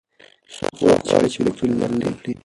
څوک غواړي چې په پښتو لیکل زده کړي؟